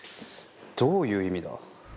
どういう意味だ？